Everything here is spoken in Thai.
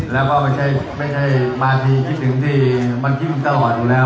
แล้วก็ไม่ใช่มาทีคิดถึงที่มันคิดถึงตะวันอยู่แล้ว